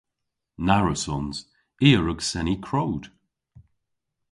Na wrussons. I a wrug seni krowd.